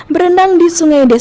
berendang di sungai desa